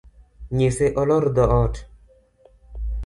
Nyise olor dhoot.